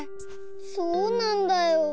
そうなんだよ。